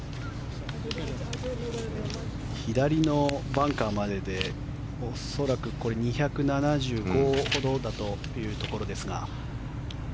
左のバンカーまでで恐らく２７５ほどだというところですが。